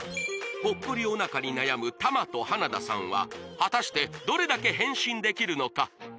ポッコリおなかに悩む玉と花田さんは果たしてどれだけ変身できるのか？